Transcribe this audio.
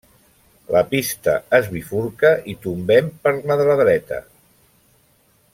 La pista es bifurca i tombem per la de la dreta.